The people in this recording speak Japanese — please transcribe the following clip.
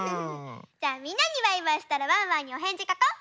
じゃあみんなにバイバイしたらワンワンにおへんじかこう。